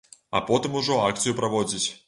А потым ужо акцыю праводзіць.